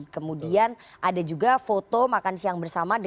kemudian ada juga foto makan siang bersama